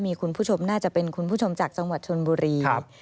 มีคุณผู้ชมน่าจะเป็นคุณผู้ชมจากจังหวัดชนบุรี